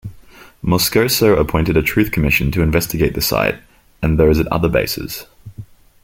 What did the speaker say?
Moscoso appointed a truth commission to investigate the site and those at other bases.